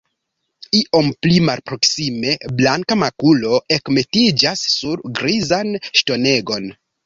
Iom pli malproksime, blanka makulo ekmetiĝas sur grizan ŝtonegon.